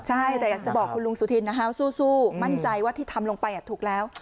ใช่แต่อยากจะบอกคุณลุงสุธินนะคะสู้มั่นใจว่าที่ทำลงไปถูกแล้ว